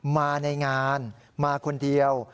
มาในงานมาคนเดียว